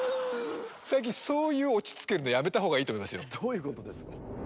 最近そういうオチつけるのやめた方がいいと思いますよどういうことですか？